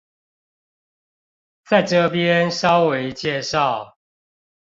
在這邊稍微介紹